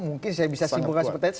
mungkin saya bisa simpulkan seperti itu